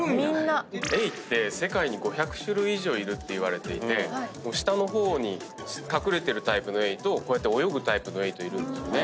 エイは世界に５００種類以上いるっていわれていて下の方に隠れてるタイプのエイとこうやって泳ぐタイプのエイといるんですよね。